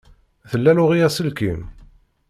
Tla Laurie aselkim?